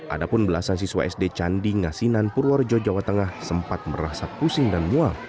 ada pun belasan siswa sd candi ngasinan purworejo jawa tengah sempat merasa pusing dan mual